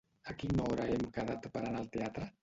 A quina hora hem quedat per anar al teatre?